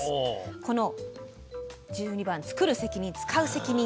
この１２番「つくる責任つかう責任」。